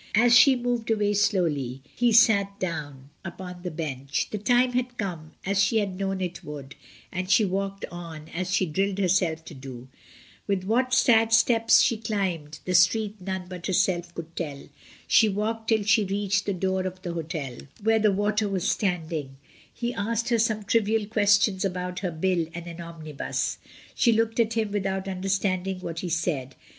As she moved away slowly he sat down upon the bench. The time had come, as she had known it would, and she walked on as she had drilled herself to do; with what sad steps she climbed the street none but herself could tell. She walked till she reached the door of the hotel, where the waiter was stand 136 MRS. DYMOND. ing. He asked her some trivial questions abou: her bill, and an omnibus. She looked at him with out understanding what he said.